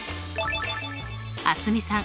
蒼澄さん